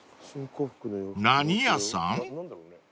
［何屋さん？］